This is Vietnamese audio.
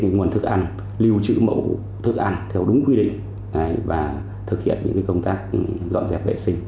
nguồn thức ăn lưu trữ mẫu thức ăn theo đúng quy định và thực hiện những công tác dọn dẹp vệ sinh